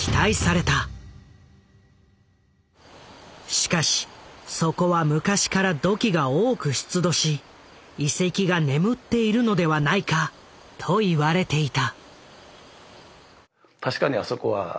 しかしそこは昔から土器が多く出土し遺跡が眠っているのではないかといわれていた。